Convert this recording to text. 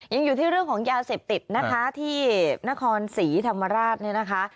ยังอยู่ที่เรื่องของยาเสพติดนะคะที่นครศรีธรรมราชเนี่ยนะคะ